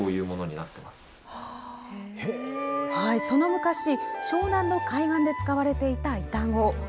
その昔、湘南の海岸で使われていた板子。